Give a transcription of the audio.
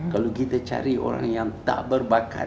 kalau kita cari orang yang tak berbakat